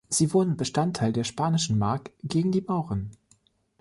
Sie wurden Bestandteil der Spanischen Mark gegen die Mauren.